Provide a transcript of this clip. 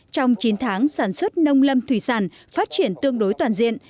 trong chín tháng sản xuất nông lâm thủy sản phát triển tương đối toàn diện